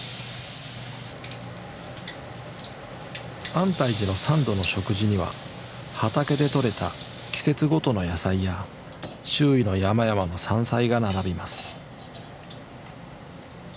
安泰寺の３度の食事には畑でとれた季節ごとの野菜や周囲の山々の山菜が並びます。